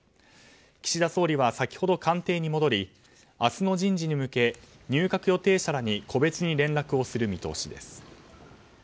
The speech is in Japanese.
岸田総理は先ほど官邸に戻り明日の人事に向け入閣予定者らに個別に連絡をする予定です。